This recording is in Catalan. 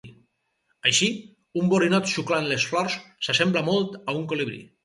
Així, un borinot xuclant les flors s'assembla molt a un colibrí.